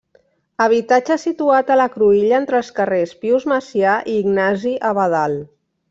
Habitatge situat a la cruïlla entre els carrers Pius Macià i Ignasi Abadal.